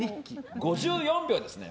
５４秒です。